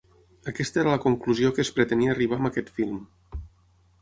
Aquesta era la conclusió a què es pretenia arribar amb aquest film.